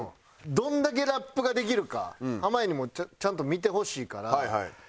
どんだけラップができるか濱家にもちゃんと見てほしいから。